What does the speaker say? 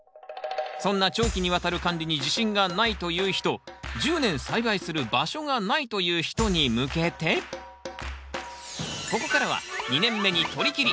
そんな長期にわたる管理に自信がないという人１０年栽培する場所がないという人に向けてここからは２年目にとりきり！